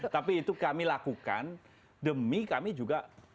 tapi itu kami lakukan demi kami juga